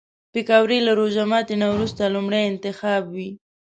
پکورې له روژه ماتي نه وروسته لومړی انتخاب وي